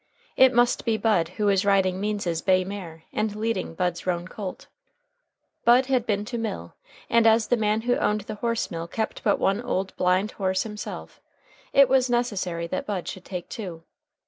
It must be Bud who was riding Means's bay mare and leading Bud's roan colt. Bud had been to mill, and as the man who owned the horse mill kept but one old blind horse himself, it was necessary that Bud should take two.